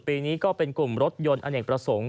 ปีนี้ก็เป็นกลุ่มรถยนต์อเนกประสงค์